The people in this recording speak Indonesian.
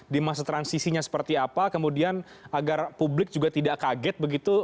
di masa transisinya seperti apa kemudian agar publik juga tidak kaget begitu